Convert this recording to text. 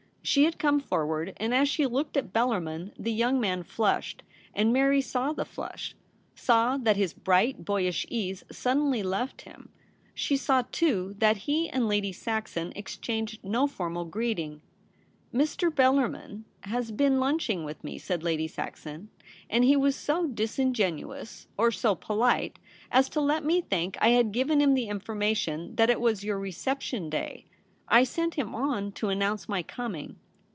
She had come forward, and as she looked at Bellarmin the young man flushed, and Mary saw the flush — saw that his bright boyish ease suddenly left him. She saw, too, that he and Lady Saxon exchanged no formal greeting. ' Mr. Bellarmin has been lunching with me,' said Lady Saxon, 'and he was so disingenuous. 264 THE REBEL ROSE. or so polite, as to let me think I had given him the information that it was your reception day ; I sent him on to announce my coming.'